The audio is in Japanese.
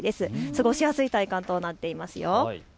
過ごしやすい体感となっていますよ。